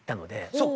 そうか！